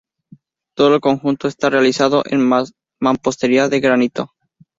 Todo el conjunto está realizado en mampostería de granito.